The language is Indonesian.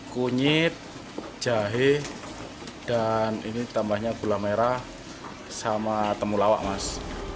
kunyit jahe dan ini tambahnya gula merah sama temulawak mas